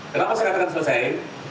kenapa saya katakan selesai